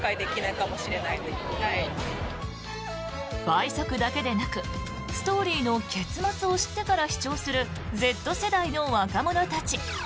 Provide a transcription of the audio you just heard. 倍速だけでなくストーリーの結末を知ってから視聴するＺ世代の若者たち。